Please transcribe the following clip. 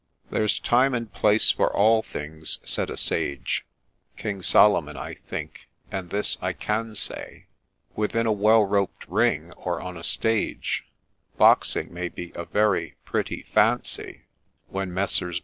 66 THE GHOST ' There 's time and place for all things,' said a sage, (King Solomon, I think,) and this I can say, Within a well roped ring, or on a stage, Boxing may be a very pretty Fancy, When Messrs.